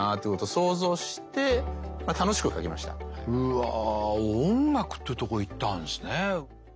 わあ音楽っていうとこいったんですね。